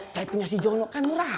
kayak punya si jono kan murah